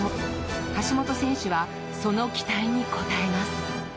橋本選手はその期待に応えます。